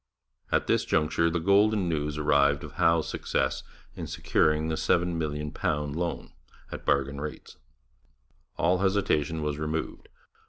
At this juncture the golden news arrived of Howe's success in securing the £7,000,000 loan at bargain rates. All hesitation was removed.